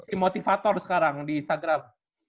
ini motivator sekarang di instagram